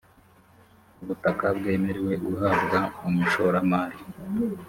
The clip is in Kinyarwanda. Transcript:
ubutaka bwemerewe guhabwa umushoramari